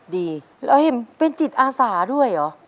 ดีแล้วเห็นเป็นจิตอาสาด้วยเหรอ